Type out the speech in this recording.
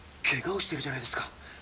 けがをしてるじゃないですか！